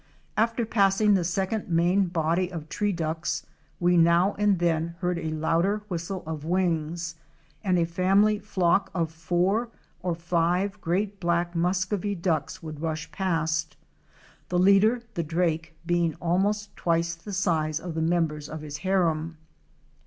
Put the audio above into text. After passing the second main body of Tree ducks we now and then heard a louder whistle of wings, and a family flock of four or five great black Muscovy Ducks " would rush past; the leader, the drake, being almost twice the size of the members of his harum.